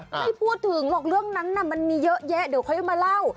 ไม่พูดถึงหรอกเรื่องนั้นมันมีเยอะแยะเดี๋ยวค่อยมาเล่า